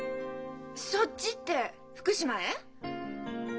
「そっち」って福島へ？